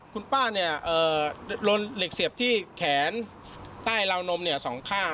คุณป้าเนี่ยเอ่อโรนเหล็กเสียบที่แขนใต้ราวนมเนี่ยสองข้าง